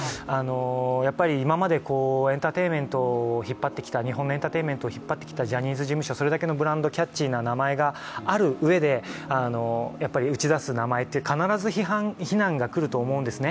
やっぱり今まで日本のエンターテインメントを引っ張ってきたジャニーズ事務所、それだけのブランド、キャッチーな名前があるうえで打ち出す名前って必ず批判、非難がくると思うんですね。